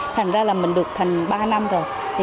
thành ra là mình được thành ba năm rồi